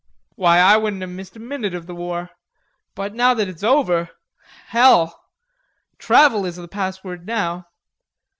"Why, I wouldn't have missed a minute of the war.... But now that it's over...Hell! Travel is the password now.